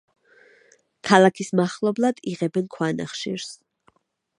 ქალაქის მახლობლად იღებენ ქვანახშირს.